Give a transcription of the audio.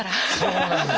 そうなんですよ。